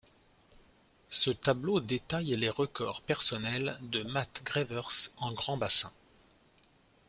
Ce tableau détaille les records personnels de Matt Grevers en grand bassin.